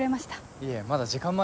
いえまだ時間前ですよ。